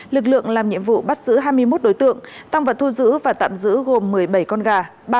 lực lượng làm nhiệm vụ bắt giữ hai mươi một đối tượng tăng vật thu giữ và tạm giữ gồm một mươi bảy con gà